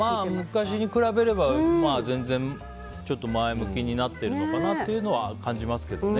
昔に比べれば、全然前向きになってるのかなっていうのは感じますけどね。